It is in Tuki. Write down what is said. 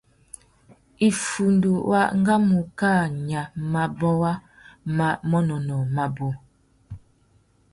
Iffundu wa guamú kā nya mabôwa má manônôh mabú.